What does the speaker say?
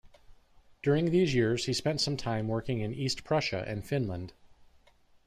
During these years he spent some time working in East Prussia and Finland.